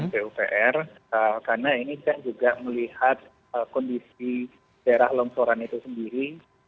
karena ini kita juga melihat kondisi daerah longsoran itu sendiri